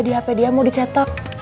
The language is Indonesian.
di hp dia mau dicetak